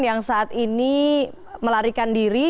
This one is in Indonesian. yang saat ini melarikan diri